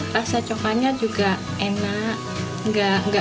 rasa coklatnya juga enak